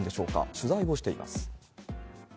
取材をしています。